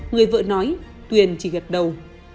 người vợ nói tuyền chỉ gật đầu